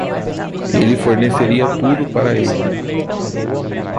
Ele forneceria tudo para ele.